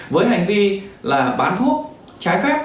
với hành vi là bán thuốc trái phép